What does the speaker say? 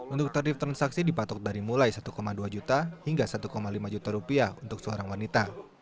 untuk tarif transaksi dipatok dari mulai satu dua juta hingga satu lima juta rupiah untuk seorang wanita